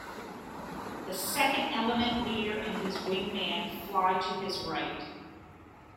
The second element leader and his wingman fly to his right.